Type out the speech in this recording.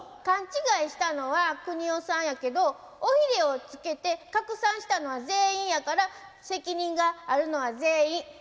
勘違いしたのはくにおさんやけど尾ひれをつけて拡散したのは全員やから責任があるのは全員。